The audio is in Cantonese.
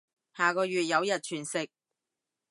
下個月有日全食